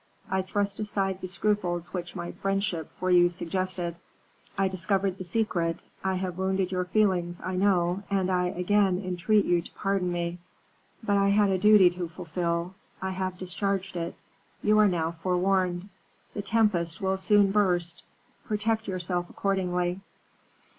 I thrust aside the scruples which my friendship for you suggested. I discovered the secret. I have wounded your feelings, I know, and I again entreat you to pardon me; but I had a duty to fulfil. I have discharged it. You are now forewarned; the tempest will soon burst; protect yourself accordingly."